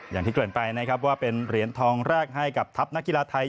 อย่างที่เกิดไปนะครับว่าเป็นเหรียญทองแรกให้กับทัพนักกีฬาไทย